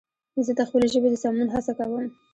زه د خپلې ژبې د سمون هڅه کوم